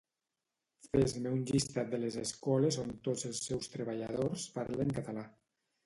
Fes-me un llistat de les escoles on tots els seus treballadors parlen català